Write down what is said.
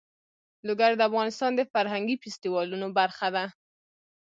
لوگر د افغانستان د فرهنګي فستیوالونو برخه ده.